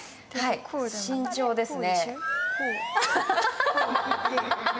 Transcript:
慎重ですね。